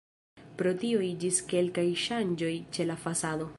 Pro tio iĝis kelkaj ŝanĝoj ĉe la fasado.